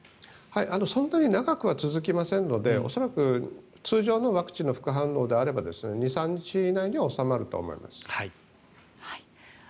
そんなに長くは続きませんので恐らく、通常のワクチンの副反応であれば２３日以内には収まると思います。